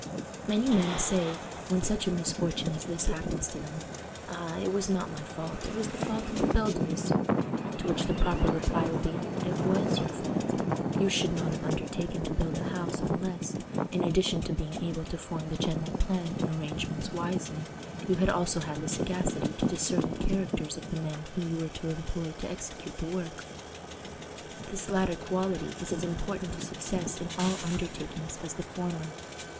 Many men say, when such a misfortune as this happens to them, "Ah! it was not my fault. It was the fault of the builders;" to which the proper reply would be, "It was your fault. You should not have undertaken to build a house unless, in addition to being able to form the general plan and arrangements wisely, you had also had the sagacity to discern the characters of the men whom you were to employ to execute the work." This latter quality is as important to success in all undertakings as the former.